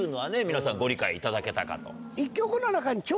皆さんご理解いただけたかと。